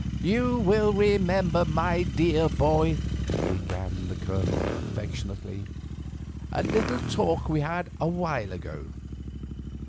"You will remember, my dear boy," began the Colonel, affectionately, "a little talk we had a while ago."